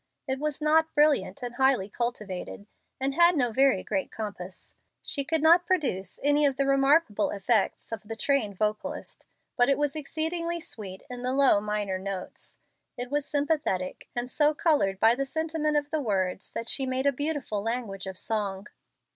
It was not brilliant and highly cultivated, and had no very great compass. She could not produce any of the remarkable effects of the trained vocalist. But it was exceedingly sweet in the low, minor notes. It was sympathetic, and so colored by the sentiment of the words that she made a beautiful language of song.